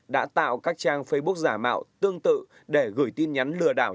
đã tạo các trang facebook giả mạo tương tự để gửi tin nhắn lừa đảo